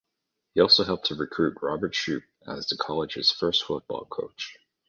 He also helped to recruit Robert Shoup as the college’s first football coach.